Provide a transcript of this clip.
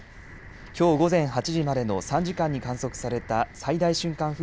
きょう午前８時までの３時間に観測された最大瞬間